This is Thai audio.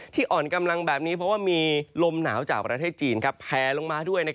อ่อนกำลังแบบนี้เพราะว่ามีลมหนาวจากประเทศจีนแพลลงมาด้วย